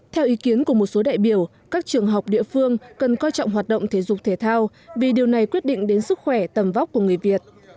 theo ý kiến của một số đại biểu các trường học địa phương cần coi trọng hoạt động thể dục thể thao vì điều này quyết định đến sức khỏe tầm vóc của người việt